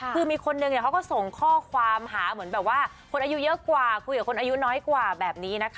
คือมีคนนึงเขาก็ส่งข้อความหาเหมือนแบบว่าคนอายุเยอะกว่าคุยกับคนอายุน้อยกว่าแบบนี้นะคะ